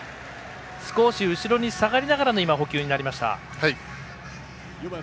少し後ろに下がりながらの捕球になりました。